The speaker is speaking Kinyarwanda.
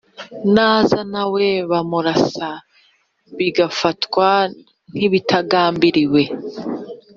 naza nawe bamurasa bigafatwa nkibitagambiriwe